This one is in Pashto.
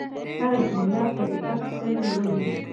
هره جمله په دقت سره لولئ.